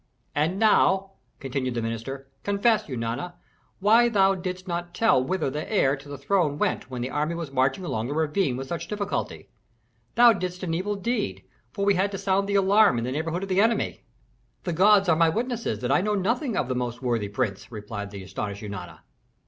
"And now," continued the minister, "confess, Eunana, why thou didst not tell whither the heir to the throne went when the army was marching along the ravine with such difficulty. Thou didst an evil deed, for we had to sound the alarm in the neighborhood of the enemy." "The gods are my witnesses that I know nothing of the most worthy prince," replied the astonished Eunana.